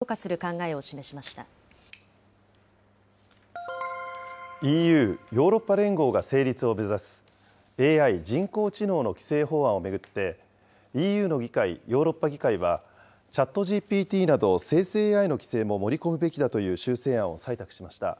防空システムが無人機に対応しきれていないと認めたうえで、対策ＥＵ・ヨーロッパ連合が成立を目指す、ＡＩ・人工知能の規制法案を巡って、ＥＵの議会、ヨーロッパ議会は、ＣｈａｔＧＰＴなど生成ＡＩの規制も盛り込むべきだという修正案を採択しました。